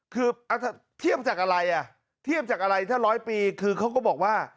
คือเทียบจากอะไรอ่ะเทียบจากอะไรถ้าร้อยปีคือเขาก็บอกว่า